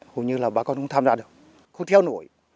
hồi như là bà con không tham gia được không theo nổi